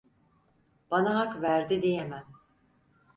Bana hak verdi diyemem…